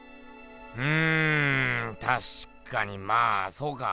うんたしかにまあそうか。